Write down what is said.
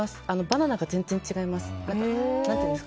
バナナが全然違います。